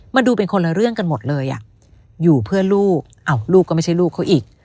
มาดูเป็นคนละเรื่องกันหมดเลยอ่ะอยู่เพื่อลูกอ้าวลูกลูกก็ไม่ใช่ลูกเขาอีก